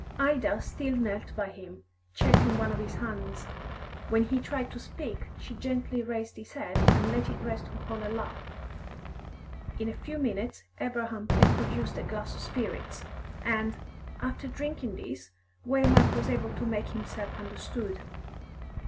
Ida still knelt by him, chafing one of his hands; when he tried to speak, she gently raised his head and let it rest upon her lap. In a few minutes Abraham had procured a glass of spirits, and, after drinking this, Waymark was able to make himself understood.